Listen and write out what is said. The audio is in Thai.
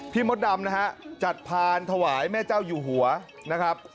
มดดำนะฮะจัดพานถวายแม่เจ้าอยู่หัวนะครับ